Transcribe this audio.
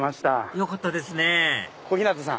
よかったですね小日向さん。